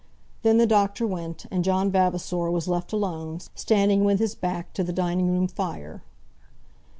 Then the doctor went, and John Vavasor was left alone, standing with his back to the dining room fire.